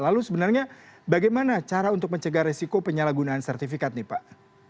lalu sebenarnya bagaimana cara untuk mencegah resiko penyalahgunaan sertifikat nih pak